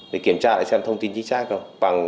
thì kiểm tra lại xem thông tin chính xác hay không